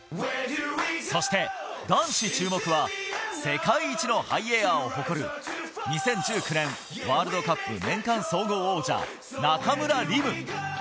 そして男子注目は、世界一のハイエアーを誇る、２０１９年ワールドカップ年間総合王者・中村輪夢。